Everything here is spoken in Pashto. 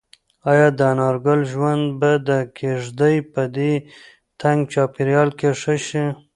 ایا د انارګل ژوند به د کيږدۍ په دې تنګ چاپېریال کې ښه شي؟